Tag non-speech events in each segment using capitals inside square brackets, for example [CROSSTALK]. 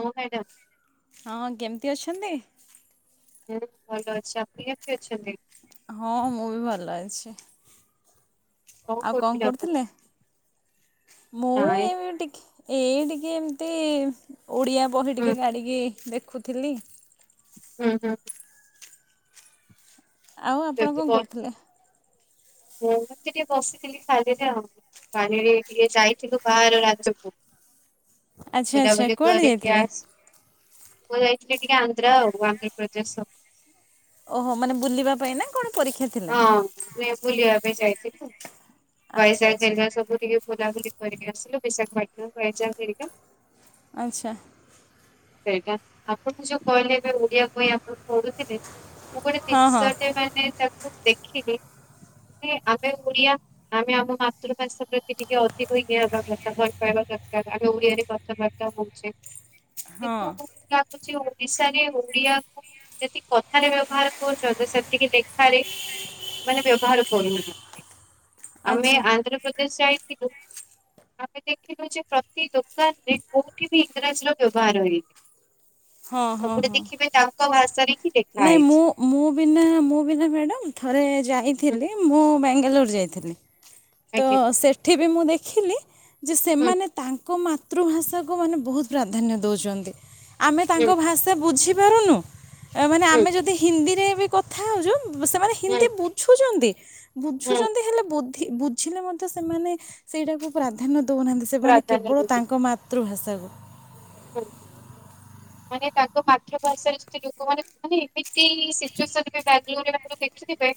ହଉ ଖାଇଦ ହଁ କେମିତି ଅଛନ୍ତି? ହୁଁ ଭଲ ଅଛି ଆପଣ କେମିତି ଅଛନ୍ତି? ହଁ ମୁଁ ବି ଭଲ ଅଛି। ଆଉ କଣ କରୁଥିଲେ ମୁଁ ନାଇଁ ଏମି ଟିକି ଏଇ ଟିକେ ଏମିତି ଓଡିଆ ବହି ହୁଁ ଟିକେ ଗାଢଣିକି ଦେଖ- ରଖୁଥିଲି ହୁଁ ହୁଁ ଆଉ ଆପଣ କଣ କରୁଥିଲେ- ମୁଁତି ଟିକେ ବସିଥିଲି ସାଲିରେ ହଉ କାନରେ ଟିକେ ଯାଇଥିଲୁ ବାହାର ରାଜକୁ- ଆଚ୍ଛା ଆଚ୍ଛା କୁଆଡେ ଯାଇଥିଲେ- ମୁଁ ଯାଇଥିଲି ଟିକେ ଆନ୍ଧ୍ର ଆଉ ଆନ୍ଧ୍ରପ୍ରଦେଶ ସବୁ- ଓହୋ ମାନେ ବୁଲିବା ପାଇଁ ନା କଣ- ପରୀକ୍ଷା ଥିଲା? ହଁ ବୁଲିବା - ଏ ଯାଇଥିଲୁ- ଆଚ୍ଛା ବୈଶାଖ ହୋ ସବୁ ଟିକେ ବୁଲାବୁଲି- ସ ପସା କ ଆଚ୍ଛା ସେଇଟା ଆପଣ ଯୋଉ କହିଲେ ଏବେ ଓଡିଆ ପାଇଁ ଆପଣ ପଢୁଥିଲେ- ମୁଁ ଗୋଟେ ହଁ ହଁ ତିନିଶଟ ମାନେ ତା ମୁଁ ଦେଖିବି ଆମେ ଓଡିଆ ଆମେ ଆମ ମାତୃଭାଷା ପ୍ରତି ଟିକେ ଅଧିକ ଇଏା ହବା କଥା ଭଲ ପାଇବା ଦରକାର ଆମେ ଓଡିଆରେ କଥାବାର୍ତ୍ତା ହଉଛେ। ଏ ହଁ ହଛି ଓଡିଶାରେ ଓଡିଆକୁ ଯେତିକି କଥାରେ ବ୍ୟବହାର କରୁଛନ୍ତି ସେତିକି ଲେଖାରେ ମାନେ ବ୍ୟବହାର କରୁନ ଆମେ ଆଚ୍ଛା ଆନ୍ଧ୍ରପ୍ରଦେଶ ଯାଇଥିଲୁ। ଆମେ ଦେଖିଲୁ ଯେ ପ୍ରତି ଦୋକାନରେ କୋଉଁଠି ବି ଇଂରାଜୀର ବ୍ୟବହାର ହେନି ହଁ ହଁ ସବୁଡେ ହଁ। ଦେଖିବେ ତାଙ୍କ ଭାଷାରେ ହିଁ ଲେଖା ନାଇଁ ହେଇଛି। ମୁଁ ମୁଁ ବିନା ମୁଁ ବିନା ମ୍ୟାଡାମ ଥରେ ହୁଁ, ଯାଇଥିଲି ମୁଁ କେଲୋରୁ ଯାଇଥିଲି ତ ଆଜ୍ଞା ସେଠି ବି ମୁଁ ଦେଖି। ଦେଖିଲେ ଯେ ହୁଁ ସେମାନେ ତାଙ୍କ ମାତୃଭାଷାକୁ ମାନେ ବହୁତ ପ୍ରାଧାନ୍ୟ ଦେଉଛନ୍ତି। ଆମେ ତାଙ୍କ ହୁଁ ଭାଷା ବୁଝି ବାରନ ମାନେ ହୁଁ ଆମେ ଯଦି ହିନ୍ଦୀରେ କଥା ହଉଛୁ, ସେମାନେ ହୁଁ ହିନ୍ଦୀ ବୁଝୁଛନ୍ତି। ହୁଁ ବୁଝୁଛନ୍ତି ହେଲେ ବ ବୁଝିଲେ ମଧ୍ୟ ସେମାନେ ସେଇଟାକୁ ପ୍ରା ଧ୍ୟାନ ଦେଉନାହାନ୍ତି ସେମାନେ ପ୍ରାଧାନ୍ୟ କେବଳ ଦେଉଛନ୍ତି। ତାଙ୍କ ମାତୃଭାଷା ତଉ ହୁଁ ହୁ ମାନେ ତାଙ୍କ ମାତୃଭାଷାରେ ଲୋକମାନେ ମାନେ ଏମିତି ସିଚୁଏସନେ ବାଙ୍ଗାଲୋରରେ ପାଖରେ ଦେଖିଥିବେ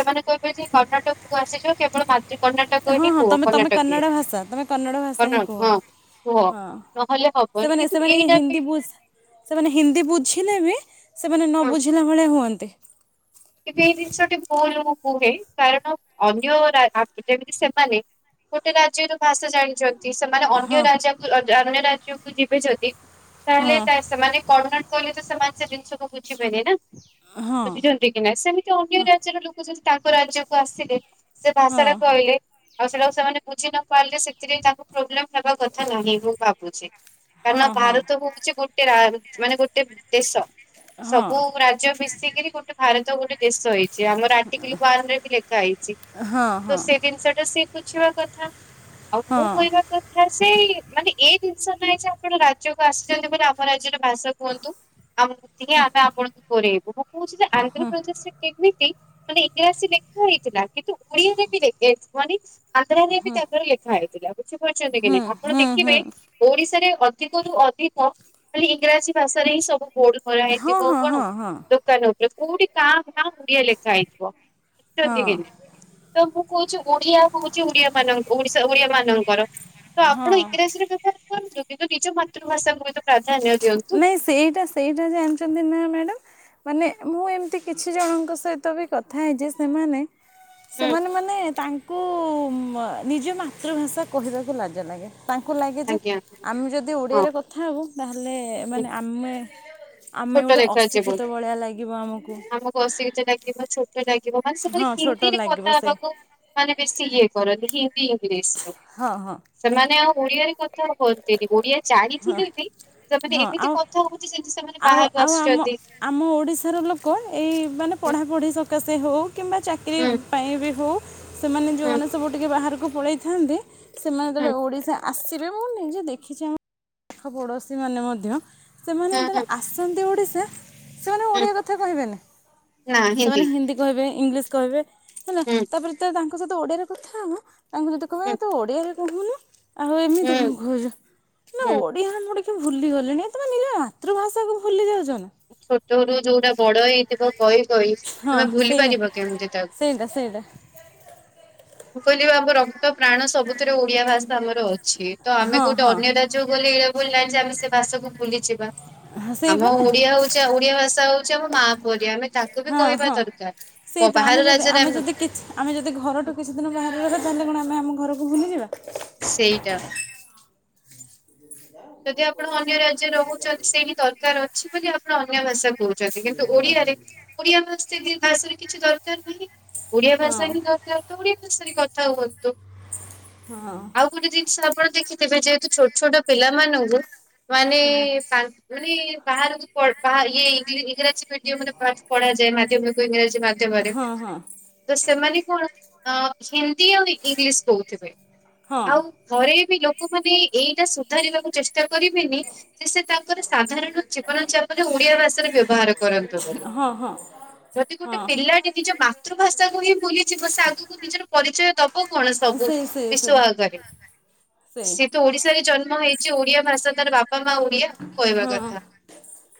ସେମାନେ କହିବେ ଯେ କର୍ଣ୍ଣାଟକକୁୁ ଆସିଯିବ କେବଳ ମାତୃ କର୍ଣ୍ଣାଟକ ହଁ ହିଁ ହଁ କୁହ। ତମେ ତମେ କର୍ଣ୍ଣାଟକ କନ୍ନଡ଼ ଭାଷା ତମେ କନ୍ନଡ଼ ଭାଷା କର୍ ହିଁ କୁହ ହଁ କୁହ ହଁ ନହେଲେ ହବନି ସେମାନେ କିନ୍ତୁ ସେମାନେ ଏଇଟା ହିନ୍ଦୀ ବି ସେମାନେ ହିନ୍ଦୀ ବୁଝିଲେ ବି ସେମାନେ ନ ହଁ ବୁଝିଲା ଭଳିଆ ହୁଅନ୍ତି। କିନ୍ତୁ ଏଇ ଜିନିଷଟି ଭୁଲ ମୁଁ କୁହେ କାରଣ ଅନ୍ୟ ରା ଯେମିତି ସେମାନେ ଗୋଟେ ରାଜ୍ୟ ର ଭାଷା ଜାଣିଛନ୍ତି। କି ସେମାନେ ଅନ୍ୟ ରାଜାକୁ ଅନ୍ୟ ରାଜ୍ୟକୁ ଯିବେ ଯଦି ତାହେଲେ ହଁ ତା ସେମାନେ କଣ କହିଲ ତ ସେମାନ ସେ ଜିନିଷକୁ ବୁଝିବେନି ନା। ହଁ। ହେ ସେମିତି ଅନ୍ୟ ରାଜ୍ୟର ଲୋକ ଯଦି ତାଙ୍କ ରାଜ୍ୟକୁ ଆସିଲେ ସେ ଭାଷା ଟା ହଁ କହିଲେ ଆଉ ସେଟାକୁ ସେମାନେ ବୁଝି ନପାରିଲେ ସେଥିରେ ତାଙ୍କୁ ପ୍ରୋବ୍ଲେମ ବା କଥା ନାହିଁ ମୁଁ ଭାବୁଛି। କାରଣ ହଁ ହଁ ଭାରତ ହଉଛି ଗୋଟେ ରା ମାନେ ଗୋଟେ ଦେଶ ହଁ ସବୁ ରାଜ୍ୟ ମିଶିକିରି ଗୋଟେ ଭାରତ ଗୋଟେ ଦେଶ ହେଇଛି। ଯେ ଆମର ଆଟିକିଲି ୱାନ୍ ରେ ବି ଲେଖା ହେଇଛି ହଁ ତ ହଁ ସେ ଜିନିଷ ଟା ସେ ବୁଝିବା କଥା ଆଉ ମୁଁ ହଁ କହିବା କଥା ସେଇ ମାନେ ଏଇ ଜିନିଷ ନାହିଁ ଯେ ଆପଣ ରାଜ୍ୟକୁ ଆସିଛନ୍ତି ବୋଲି ଆମ ରାଜ୍ୟର ଭାଷା କୁହନ୍ତୁ ଆଉ ପୃଥିବୀ ଆମେ ଆପଣ ପରେବୁ କହୁଛି ଯେ ଉତ୍ତରପ୍ରଦେଶ ରେ କେମିତି ମାନେ ଇଂରାଜୀ ଲେଖା ହେଇଥିଲା କିନ୍ତୁ ଓଡିଆରେ ବି ମାନେ [INAUDIBLE] ଆନ୍ଧ୍ରରେ ବି ତାଙ୍କର ଲେଖା ହେଇଥିଲା ବୁଝିପାରୁଛନ୍ତି କି ନାଇଁ। ଆପଣ ଦେଖିବେ ଓଡିଶାରେ ଅଧିକରୁୁ ଅଧିକ ଖଲି ଇଂରାଜୀ ଭାଷାରେ ହିଁ ସବୁ ବୋଡ ଖରା ହଁ ହଁ ହେଇଯିବ କଣ ହଁ ହଁ ଦୋକାନ କଉଠି କା ଭା ଓଡିଆ ଲେଖା ହେଇଥିବ। ହଁ ତ ମୁ କହୁଚୁ ଓଡିଆ କହୁଛି ଓଡିଆ ମାନଙ୍କ ଓଶା ଓଡିଆ ମାନଙ୍କର ତ ଆପଣୁ ହଁ ଇଂରାଜି ରେଖ କଛୁ କିନ୍ତୁ ନିଜ ମାତୃଭାଷା ହୁଏ ନାଇଁ ସେଇଟା ସେଇଟା ଜାଣିଛନ୍ତି ନା ମ୍ୟାଡାମ ମାନେ ମୁଁ ଏମିତି କିଛି ଜଣଙ୍କ ସହିତ ବି କଥା ହେଇ ଯେ ସେମାନେ ହୁଁ ସେମାନେ ମାନେ ତାଙ୍କୁ କୁ ନିଜ ମାତୃଭାଷା କହିବାକୁ ଲାଜ ଲାଗେ। ତାଙ୍କୁ ଲାଗେ ଯେ ଆଜ୍ଞା ଆମେ ଯଦି ହଁ ଓଡ଼ିଆରେ କଥା ହେବୁ ତାହେ ମାନେ ହୁଁ ମାନେ ଆମେ ଆମେ ଛୋଟ ଗୋଟେ ଲେଖା ଅଶିକ୍ଷିତ ଜୀବନ ଭଳିଆ ଲାଗିବ ଆମକୁ ଆମୁକୁ ଅଶି [UNINTELLIGIBLE] ଲାଗିବ ଛୋଟ ଲାଗ୍ ଯିବ ମାନେ ସେମାନେ ହଁ ଛୋଟ ହିନ୍ଦୀରେ ଲାଗିବ କଥା ସେ ହେବାକୁ ମାନେ ବେଶୀ ଇଏ କରନ୍ତି କି ଇଂଲିଶ ହଁ ହଁ ସେମାନେ ଆଉ ଓଡ଼ିଆରେ କଥା କୁହ ଯେକି ଓଡିଆ ଜାଣିଥିଲେ ବି ସେମାନେ ହଁ ଏମିତି ଆଉ କଥା ହଉଚି ଯେମିତି ସେମାନେ ଆଉ ବାହାରୁ ଆଉ ଆମ ଆସିଛନ୍ତି। ଆମ ଓଡ଼ିଶାର ଲୋକ ଏଇ ମାନେ ହୁଁ ପଢ଼ାପଢ଼ି ସକାସ୍ ସେ ହଉ କିମ୍ବା ଚାକିରୀ ହୁଁ ପାଇଁ ବି ହଉ ସେମାନେ ହୁଁ ଯୋଉମାନେ ସବୁ ଟିକେ ବାହାରୁ କେ ପଳେଇଥାନ୍ତି ସେମାନେ ହୁଁ ଯେତେବେଳେ ଓଡିଶା ଆ ଆସିବେ ମୁଁ ନିଜେ ଦେଖିଛି ପାଖପଡୋଶୀ ମାନେ ମଧ୍ୟ ସେମାନେ ହୁଁ ଯେତେବେଳେ ହୁଁ ଆସନ୍ତି ଓଡି ଶା ସେମାନେ ହୁଁ ଓଡିଆ କଥା କହିବେନି ସେମାନେ ହିନ୍ଦୀ କହିବେ ଇଂଲିଶ କହିବେ ହେଲା ହୁଁ ତାପରେ ତ ତାଙ୍କ ଙ୍କ ସହିତ ଓଡିଆ କଥା ହବ ତାଙ୍କୁ ଯଦି କହିବ ହୁଁ ଏ ତୁ ଓଡ଼ିଆରେ କୁହୁନୁ ଆଉ ହୁଁ ଏମିତି କଣ କହୁଚୁ ନା ହୁଁ। ଓଡିଆ ମୁଁ ଟିକେ ଭୁଲି ଗଲିଣି ଏ ତମେ ନିଜ ମାତୃଭାଷାକୁ ଭୁଲି ଯାଉଛ। ନା ଛୋଟରୁ ଯୋଉଟା ବଡ ହେଇଥିବ କହି କହି ହଁ ତମେ ଭୁଲି ସେଇଟା ପାରିବ କେମିତି ତାକୁ। ସେଇଟା ସେଇଟା ମୁଁ କହିଲି ବା ଆମ ରକ୍ତ ପ୍ରାଣ ସବୁଥିରେ ଓଡିଆ ଭାଷା ଆମର ଅ ଅଛି ତ ଆମେ ହଁ ଗୋଟେ ହଁ ଅନ୍ୟ ରାଜ୍ୟକୁ ଗଲେ ଏୟା ଭୁଲ ନାଇଁ ଯେ ଆମେ ସେ ଭାଷାକୁ ଭୁଲିଯିବା। ହଁ ଆମ ସେଇପରା ଓଡିଆ ହଉଛି ଓଡିଆ ଭାଷା ହଉଛି ଆମ ମା ପରି ଆମେ। ତାକୁ ବି ହଁ କହିବା ହଁ ଦରକାର। ସେଇ ତ ବାହାର ଆମେ ଯଦି ରାଜ୍ୟରେ ଆମେ ଯଦି କି ଆମେ ଯଦି ଘରଠୁ କିଛି ଦିନ ବାହାର ରହିବା ତାହେଲେ କଣ ଆମେ ଆମ ଘର। କୁ ଭୁଲିଯିବା। ସେଇଟା। ଯଦି ଆପଣ ଅନ୍ୟ ରାଜ୍ୟରେ ରହୁଛନ୍ତି ସେଇଠି ଦରକାର ଅ ଅଛି ବୋଲି ଆପଣ ଅନ୍ୟ ଭାଷାକୁ। କହୁଛନ୍ତି କିନ୍ତୁ ଓଡିଆରେ ଓଡିଆ ଭା ସେ ଦି ଭାଷାରେ କିଛି ଦରକାର ନାହିଁ। ଓଡିଆ ଭାଷା ହି ହଁ ଦରକାର ତ ଓଡିଆ। ରେ କଥା ହୁଅନ୍ତୁ। ହଁ ଆଉ ଗୋଟେ ଜିନିଷ। ପଣ ଦେଖିଥିବେ ଯେହେତୁ ଛୋଟ ଛୋଟ ପିଲା। ମାନଙ୍କୁ ମାନେ ହଁ। ପାଞ୍ଚ ମା ଏ ବାହାରକୁ ପଢ଼ ୟେ ଇଂରାଜୀ ମିଡିମରେ। ପଢ ଯାଏ ମାଧ୍ୟମକୁ ଇଂରାଜୀ ମାଧ୍ୟମରେ ହଁ ତ ସେମାନେ। କଣ ହିନ୍ଦୀ ଆଉ ଇଂଲିଶ କହୁଥିବେ। ହଁ ହଁ ଆଉ ଘରେ ବି ଲୋ ମାନେ ଏଇଟା ଶୁ ଧରିବାକୁ ଚେଷ୍ଟ ଟା କରିବେନି ଯେ ସେ ତାଙ୍କର ସାଧାରଣ ଜୀବନ ଚାପନ ଓଡିଆ ଭାଷାରେ ବ୍ୟବହାର କରନ୍ତୁ ବୋଲି ହଁ ହଁ ଯଦି ଗୋଟେ ହଁ ପିଲାଟି ନିଜ ମାତୃଭାଷାକୁ ହିଁ ଭୁଲିଯିବ ସେ ଆଗକୁ ନିଜର। ପରିଚୟ ତ ହ କଣ ସବୁ ସେଇ ସେଇ ବିଶ୍ଵ ସେଇ ଆଗରେ ସେଇ ସିଏ ତ ଓଡିଶାରେ ଜ ହେଇଛି ଓଡିଆ ଭାଷା ତାର ବାପ ହଁ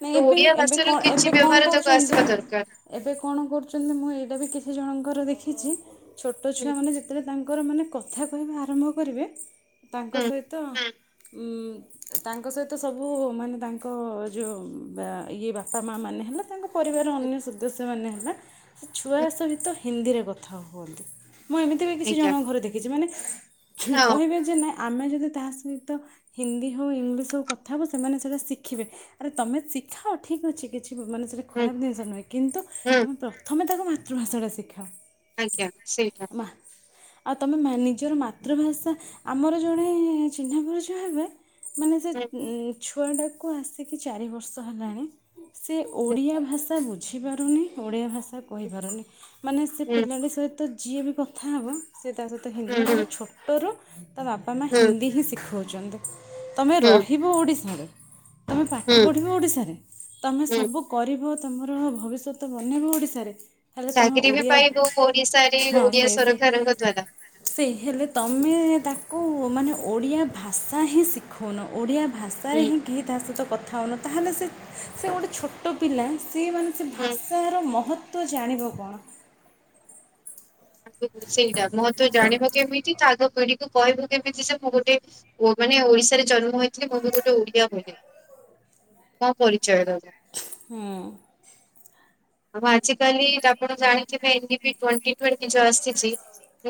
ନାଇଁ ତ ଏବେ ଓଡିଆ ଏବେ ଭାଷାର କଣ କିଛି ଏବେ କଣ ବ୍ୟବହାର ତାକୁ କରୁଛନ୍ତି ଆସିବା ଦରକାର। ଏବେ କଣ କରୁଛନ୍ତି ମୁଁ ଏଇଟା ବି କିଛି ଜଣଙ୍କର ଦେଖି ଖିଛି ଛୋଟ ହୁଁ ଛୁଆ ମାନେ ଯେତେବେଳେ ତାଙ୍କର ମାନେ କଥା କହିବା ଆରମ୍ଭ କରିବେ ତାଙ୍କ ହୁଁ ସହିତ ଉଁ ତାଙ୍କ ସହିତ ତ ସବୁ ମାନେ ତାଙ୍କ ଯେଉଁ ଇଏ ବାପା ମା ମାନେ ହେଲା ତାଙ୍କ ପରିବାର ଅନ୍ୟ ସଦସ୍ୟ ସେମାନେ ହେଲା। ଛୁଆ ହୁଁ ସହିତ। ହିନ୍ଦୀରେ କଥା ହୁଅନ୍ତି। ମୁଁ ଏମିତି ବି କିଛି ଆଜ୍ଞା ଜଣଙ୍କ ଘରେ ଦେଖିଛି ମାନେ ହଁ କହିବେ ଯେ ନାଇ ଆମେ ଯଦି ତାହା ସହିତ ହିନ୍ଦୀ ହଉ ଇଂଲିଶ ହଉ କଥା ତଥାପୁ ସେମାନେ ସେଇଟା ଶିଖିବେ ଆରେ ତମେ ଶିଖାଅ ଠିକ୍ ଅଛି କି କି ମାନେ ସେଟ ହୁଁ ଖରାପ ଜିନିଷ ନୁହେଁ କିନ୍ତୁ ହୁଁ ତମେ ପ୍ରଥମେ ତାକୁ ତୃ ଭାଷାଟା ଶିଖାଅ। ଆଂଞା ସେଇଟା। ମା ଆଉ ତମେ ମା ନିଜର ମାତୃଭାଷା ଆମର ଜଣେ ଚିହ୍ନାପରିଚ ହେବେ ମାନେ ସେ ହୁଁ ଏ ଛୁଆଟାକୁ ଆସିକି ଚାରି ବର୍ଷ ହେଲାଣି ସେ ହୁଁ ଓଡ଼ିଆ ଭାଷା ବୁଝ ବୁଝିପାରୁନି ଓଡ଼ିଆ ଭାଷା କହିପାରୁନି। ମାନେ ସେ ହୁଁ ପିଲାଟି ସହିତ ତ ଯିଏ ବି କଥା ହେବ ସେ ତା ସହିତ ହୁଁ ହିନ୍ଦୀମାନେ ହୁଁ ତାଙ୍କ ଛୋଟରୁ ତା ଵାପା ମା ହୁଁ ହିନ୍ଦୀ ହିଁ ଶିଖଉ ଛନ୍ତି। ତମେ ହୁଁ ରହି ଓଡ଼ିଶାରେ। ତମେ ପାଠ ହୁଁ ପଢିବ ଓଡିଶାରେ ତମେ ହୁଁ ସବୁ କରିବ ତମର ଭବିଷ୍ୟତ ବନେଇବ ଓଡ଼ିଶାରେ। ହେଲେ ତମେ ଚାକିରି ବି ଓଡିଆ ପାଇବୁ ଓଡିଶାରେ ହଁ ଓଡିଆ ସେ ସେ ସରକାରଙ୍କ ଦ୍ଵାରା। ସେଇ ହେଲେ ତମେ ତା କୋଉ ମାନେ ଓଡ଼ିଆ ଭାଷା ହିଁ ଶିଖଉନ। ଓଡ଼ିଆ ଭାଷାରେ ହୁଁ ହିଁ କେହି ତା ସହିତ କଥା ହୋଉନ ତାହେଲେ ସେ ସେ ଗୋଟେ ଛୋଟ ପିଲା ସିଏ ମାନେ ସେ ହୁଁ। ଭାଷାର ମହତ୍ଵ ତ ଜାଣିବ କଣ? ସେଇଟା ମୋ ତୁ ଜାଣିବୁ କେମିତି ତାଗ ପିଢିକୁ କହିବୁ କେମିତି ଯେ ମୁଁ ଗୋଟେ ଓ ମାନେ ଓଡିଶାରେ ଜନ୍ମ ହୋଇଥିଲି ମୁଁ ବି ଗୋଟେ ଓଡିଆ ବୋଲି ମୋ ପରିଚୟର। ହୁଁ। ଆଉ ଆଜିକାଲି ଆପଣ ଜାଣିଥିବେ ଏନ୍ ଡି ପି ଟୋଣ୍ଟି ଟଣ୍ ଏ ଯୋଉ ଆସିଚି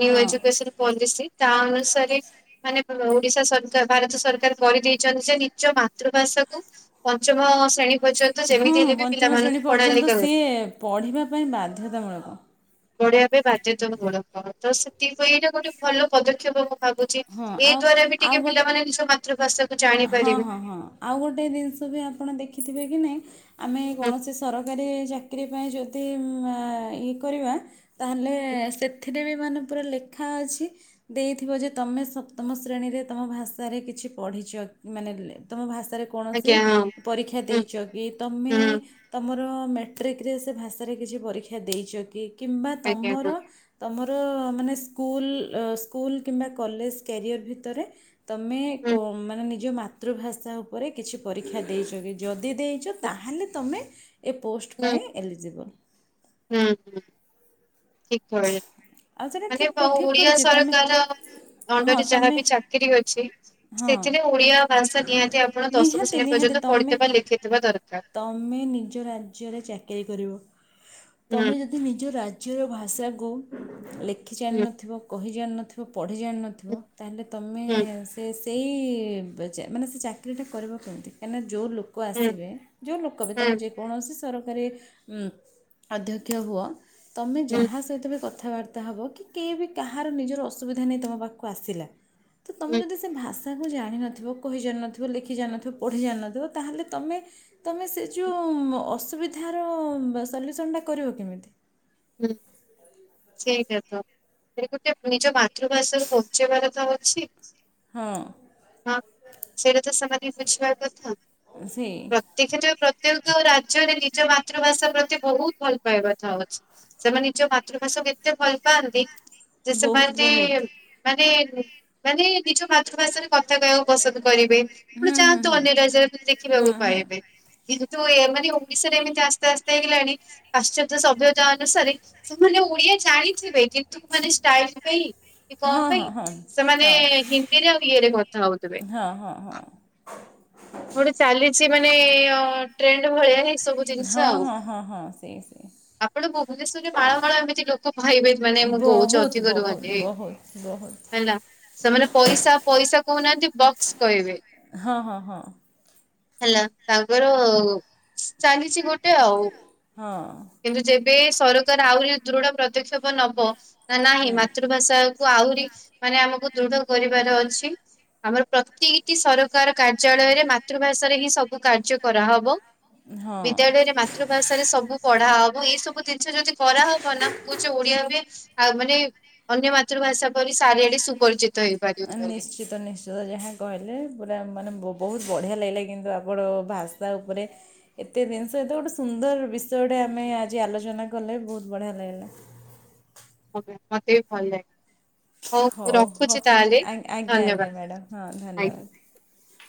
ନିଉ ହଁ। ଏଜୁକେସନ୍ ପଲିସି ତା ଅନୁସାରେ ମାନେ ବ ଓଡିଶା ସରକାର ଭାରତ ସରକାର କରିଦେଇଚନ୍ତି ଯେ ନିଜ ମାତୃଭାଷାକୁୁ ପଞ୍ଚମ ଶ୍ରେଣୀ ପର୍ଯ୍ୟନ୍ତ ହଁ ଯେମିତି ହଁ ହେଲେ ବି ପଞ୍ଚମ ଶ୍ରେଣୀ ପିଲାମାନଙ୍କୁ ପଢା ପର୍ଯ୍ୟନ୍ତ ଲେଖା ସିଏ ପଢିବା ପାଇଁ ବାଧ୍ୟତାମୂଳକ ପଢେଇବା ପାଇଁ ବାଧ୍ୟତା ମୂଳକ ତ ସେଥିପାଇଁ ଏଇଟା ଗୋଟେ ଭଲ ପଦକ୍ଷେପ ଭାବୁଛି। ହଁ ଏ ଆଉ ଦ୍ଵାରା ବି ଟିକେ ଆଉ ଗୋଟେ ପିଲାମାନେ ନିଜ ମାତୃଭାଷାକୁ ହଁ ଜାଣିପାରିବେ ହଁ ହଁ ଆଉ ଗୋଟେ ଜିନିଷ ବି ଆପଣ ଦେଖିଥିବେ କି ନାଇଁ ଆମେ ହୁଁ କୌଣସି ସରକାରୀ ଚା ଚାକିର ପାଇଁ ଯଦି ମ୍ ଆ ଇଏ କରିବା ତାହେଲେ ହୁଁ। ସେଥି ଏଥିରେ ବି ମାନେ ପୁରା ଲେଖା ଅଛି ଦେଇଥିବ ଯେ ତମେ ସପ୍ତମ ଶ୍ରେଣୀରେ ତମ ଭାଷାରେ କିଛି ପଢିଚ ମାନେ ଲେ ତମ ଭାଷା ଭାଷା ରେ କୌଣସି ଆଜ୍ଞା ହଁ ପରୀକ୍ଷା ହୁଁ ଦେଇଚକି ତମେ ହୁଁ ତମର ମେଟ୍ରିକ୍ ରେ ସେ ଭାଷାରେ କିଛି ପରୀକ୍ଷା ଦେଇଚ କି କିମ୍ବା ଆଜ୍ଞା ହଁ ତମର ତମ ର ମାନେ ସ୍କୁଲ ସ୍କୁଲ୍ କିମ୍ବା କଲେଜ କ୍ୟାରିୟର ଭିତରେ ତମେ ହୁଁ କ ମାନେ ନିଜ ମା ମାତୃଭାଷା ଉପରେ କିଛି ପରୀକ୍ଷା ଦେଇଚକି ଯଦି ଦି ଦେଇଚ ତାହେଲେ ତମେ ଏ ପୋଷ୍ଟ ହୁଁ ପାଇଁ ଏଲିଜିବଲ୍। ହୁଁ ହୁଁ ଠିକ୍। ଆଉ ସେଇଟା ମାନେ ଠିକ୍ ଠିକ୍ ଓଡିଆ କରିଛି ତମେ ସରକାର ହଁ ଅଣ୍ଡରେ ତମେ ଯାହାବ ଚାକିରି ଅଛି ହଁ ସେଥିରେ ଓଡିଆ ଭାଷା ନିହାତି ଆପଣ ଦଶମ ନିହାତି ଶ୍ରେଣୀ ନିହାତି ପର୍ଯ୍ୟନ୍ତ ତମେ ପଢିଥିବା ଲେଖିଥିବା ଦରକାର। ତମେ ନିଜ ରାଜ୍ୟରେ ଚାକିରି କରିବ। ହୁଁ ତମେ ଯଦି ନିଜ ରାଜ ରାଜ୍ୟ ର ଭାଷା କୁ ଲେଖ୍। ଲେଖି ହୁଁ ଜାଣିିନଥିବ କହି [INAUDIBLE] ଜାଣି ନଥିବ। ପଢ଼ି ଜାଣି ‌ନଥିବ ତା ହେଲେ ତମେ ହୁଁ ଶେଷ୍ ସେଇଇଇ ମାନେ ସେ ଚାକିରିଟା କରିବ କେମିତି କାହିଁକିନା ଯୋଉ ଲୋକ ହୁଁ ଆସିବେ ଯୋଉ ଲୋକ ବି ହୁଁ ତମେ ଯେକୌଣସି ସରକାରୀ ଅଧ୍ୟକ୍ଷ ହୁଅ। ତମେ ହୁଁ ହୁଁ ଯାହା ସହିତ ବି କଥ୍ କଥାବାର୍ତ୍ତା ହେବ କି କିଏ ବି କାହାର ନିଜର ଅସୁବିଧା ନେଇ ତମ ପାଖକୁ ଆସିଲା ତ ତମେ ହୁଁ ଯଦି ସେ ଭାଷ୍ ତାକୁ ଜାଣିନଥିବ କହି ଜାଣିନଥିବ ଲେଖି ଜାଣିନଥିବ ପଢ଼ି ଜାଣିନଥିବ ତାହେଲେ ତମେ ତମେ ସେ ଯୋଉଁ ଅସୁବିଧାର ସଲ୍ୟୁସନଟା କରିବ କେମିତି ହୁଁ ସେଇଟା ତ, ସେ ଗୋଟେ ନିଜ ମାତୃଭାଷାକୁ ବଞ୍ଚେଇବାର ତ ଅଛି। ହଁ ହଁ, ସେ ରାଜସମାଧି ବୁଝିବା କଥା। ସେଇ ପ୍ରତ୍ୟେ [UNINTELLIGIBLE] ପ୍ର ଯେଉସବୁ ରାଜ୍ୟରେ ନିଜ ମାତୃଭାଷା ପ୍ରତି ବହୁତ ଭଲ ପାଇବା ଥାଉଅଛି। ସେମାନେ ନିଜ ମାତୃଭାଷାକୁ ଏତେ ଭଲ ପାଆନ୍ତି ଜେ ବହୁତ ସେମାନେ ବହୁତ ମାନେ ମାନେ ନିଜ ମାତୃଭାଷାରେ କଥା କହିବାକୁ ପସନ୍ଦ କରିବେ, ହୁଁ ପୁଣି ହୁଁ ଯାଆନ୍ତୁ ହୁଁ ଅନ୍ୟ ରାଜ୍ୟରେ ହୁଁ ଦେଖିବାକୁ ହୁଁ ପାଇବେ କି ଯୋଉ ଏ ମାନେ ଓଡିଶାରେ ଏମିତି ଆସ୍ତେ ଆସ୍ତେ ହେଇଗଲାଣି ପାଶ୍ଚାତ୍ୟ ସଭ୍ୟ ତା ଅନୁସାରେ ସେମାନେ ଓଡିଆ ଜାଣିଥିବେ କିନ୍ତ୍ [UNINTELLIGIBLE] ଷ୍ଟାଇଲ୍ ପାଇଁ କି କଣ ପାଇଁ ହଁ ହଁ ସେମାନେ ହିନ୍ଦୀରେ ଆଉ ଇଏରେ କଥା ହଉଥିବେ। ହଁ ହଁ ହଁ ହଁ ଟ୍ରେଣ୍ଡ୍ ଭଳିଆ ହି। ଏ ସବୁ ହଁ ଜିନିଷ ହଁ ଆଉ, ହଁ ହଁ ହଁ ସେଇ ସେଇ ଆପଣ ଭୁବନେଶ୍ୱରରେ ମାଳମାଳ ଏମିତି ଲୋକ ପାଇବେ ମାନେ ମୁଁ ବହୁତ ଅଧିକ ବହୁତ ରୁହନ୍ତି ବହୁତ ବହୁତ ହେଲା, ସେମାନେ ପଇସା ପଇସା କହୁନାହାନ୍ତି ବକ୍ସ କହିବେ। ହଁ ହଁ ହଁ। ହେଲା ତାଙ୍କର ଚାଲିଛି ଗୋଟେ ଆଉ ହଁ ବେ ସରକାର ଆହୁରି ଦୃଢ ପଦକ୍ଷେପ ନବ। ନା ନାହିଁ ମାତୃଭାଷାକୁ ଆହୁରି ମାନେ ଆମକୁ ଦୃଢ କରିବାର ଅଛି ଆମର ପ୍ରତିଟି ସରକାର କାର୍ଯ୍ୟାଳୟରେ ମାତ୍ [INAUDIBLE] କାର୍ଯ୍ୟ କରାହବ। ହଁ ବିଦ୍ୟାଳୟରେ ମାତୃଭାଷାରେ ସବୁ ପଢା [INAUDIBLE] ହବ ଏଇ ସବୁ ଜିନିଷ ଯଦି କରାହବ ନା ମୁଁ କହୁଛି ଓଡିଆ ବି ଆଉ ମାନେ ଅନ୍ୟ ମାତୃଭାଷା ପରି ସାରିଆଡେ ସୁପରିଚିତ ହେଇପାରିବ ବୋଲି ନିଶ୍ଚିତ ନିଶ୍ଚିତ ଯାହା କହିଲେ ପୁରା ମାନେ ବହୁତ ବଢ଼ିଆ ଲାଗିଲା କିନ୍ତୁ ଆପଣ ଭାଷା ଉପରେ ଏତେ ଜିନିଷ ଏତେ ଗୋଟେ ସୁନ୍ଦର ବିଷୟଟେ ଆମେ ଆଜି ଆଲୋଚନା କଲେ ବହୁତ ବଢ଼ିଆ ଲାଗିଲା ମୋତେ ବି ଭଲ ଲାଗେ ମୁଁ ହଉ ହଉ ରଖୁଛି ତାହେଲେ ଆଜ୍ଞା ଧନ୍ୟବାଦ। ଆଜ୍ଞା ମ୍ୟାଡ଼ାମ୍ ହଁ ଆଜ୍ଞା। ଧନ୍ୟବାଦ